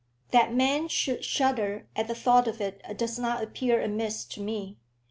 That man should shudder at the thought of it does not appear amiss to me.